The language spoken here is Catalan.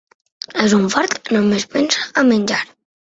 És un fart: només pensa a menjar.